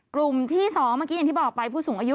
กลุ่มที่๒เมื่อกี้อย่างที่บอกไปผู้สูงอายุ